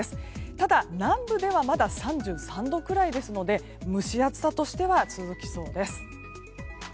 ただ、南部ではまだ３３度ぐらいですので蒸し暑さとしては続きそうです。